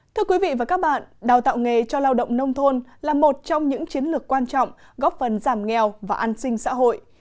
thưa quý vị và các bạn đào tạo nghề cho lao động nông thôn là một trong những chiến lược quan trọng góp phần giảm nghèo và an sinh xã hội